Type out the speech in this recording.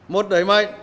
một đẩy mạnh